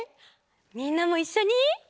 みんなもいっしょに！